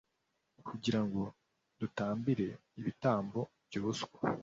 kugira ngo dutambireho ibitambo byoswa